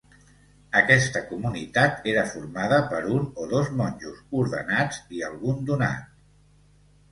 Aquesta comunitat era formada per un o dos monjos ordenats i algun donat.